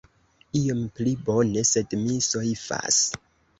Iom pli bone, sed mi soifas.